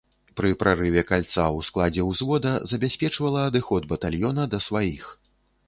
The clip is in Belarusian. Пры прарыве кальца ў складзе ўзвода забяспечвала адыход батальёна да сваіх.